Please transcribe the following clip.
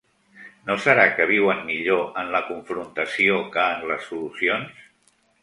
No serà que viuen millor en la confrontació que en les solucions?